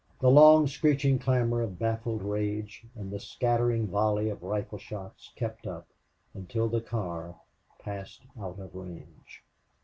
The long screeching clamor of baffled rage and the scattering volley of rifle shots kept up until the car passed out of range.